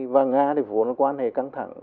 và nga thì vốn quan hệ căng thẳng